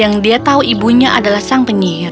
dan yang dia tahu ibunya adalah sang penyihir